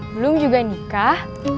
belum juga nikah